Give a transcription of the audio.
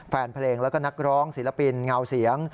แฟนเพลงแล้วก็นักร้องศิลปินเงาเสียง